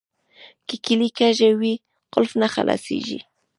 که کیلي کږه وي قلف نه خلاصیږي.